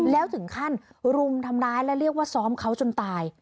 แล้วถึงขั้นรุมทำร้ายและเรียกว่าซ้อมเขาจนตาย